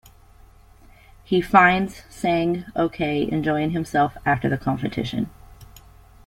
He finds Sang-ok enjoying himself after the competition.